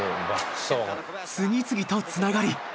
次々とつながり。